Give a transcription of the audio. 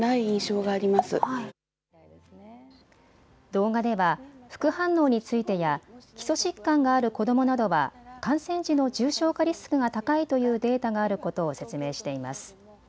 動画では副反応についてや基礎疾患がある子どもなどは感染時の重症化リスクが高いというデータがあることを説明しています。